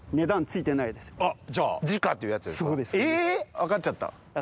分かっちゃった。